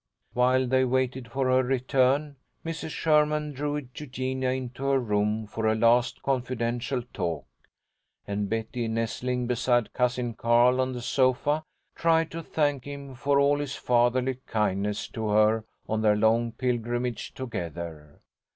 While they waited for her return, Mrs. Sherman drew Eugenia into her room for a last confidential talk, and Betty, nestling beside Cousin Carl on the sofa, tried to thank him for all his fatherly kindness to her on their long pilgrimage together.